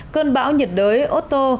cơn bão nhiệt đới otto